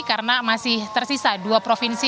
karena masih tersisa dua provinsi